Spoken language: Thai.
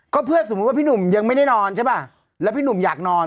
ก็เพื่อสมมุติว่าพี่หนุ่มยังไม่ได้นอนใช่ป่ะแล้วพี่หนุ่มอยากนอน